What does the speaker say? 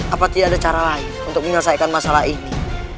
apa tidak ada cara lain untuk menyelesaikan masalah ini